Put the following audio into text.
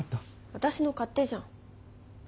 私の勝手じゃん。